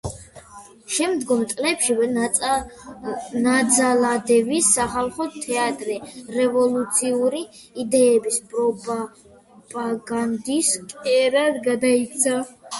შემდგომ წლებში ნაძალადევის სახალხო თეატრი რევოლუციური იდეების პროპაგანდის კერად გადაიქცა.